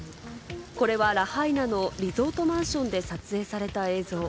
これはラハイナのリゾートマンションで撮影された映像。